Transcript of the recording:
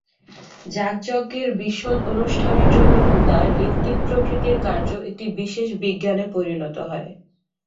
যাগযজ্ঞের বিশদ অনুষ্ঠানের জন্য হোতা, ঋত্বিক প্রভৃতির কার্য একটি বিশেষ বিজ্ঞানে পরিণত হয়।